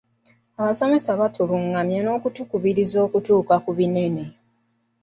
Abasomesa batulungamya n'okutukubiriza okutuuka ku binene.